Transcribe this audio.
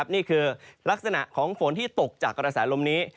นี่คือลักษณะของฝนที่ตกจากกระแสลมนี้